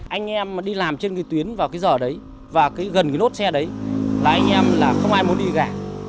anh em đi làm trên cái tuyến vào cái giờ đấy và gần cái nốt xe đấy là anh em là không ai muốn đi gã